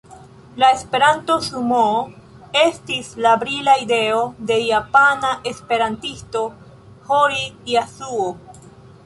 La Esperanto-sumoo estis la brila ideo de japana esperantisto, Hori Jasuo.